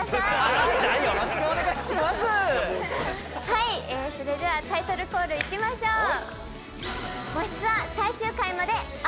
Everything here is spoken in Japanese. はいそれではタイトルコールいきましょう。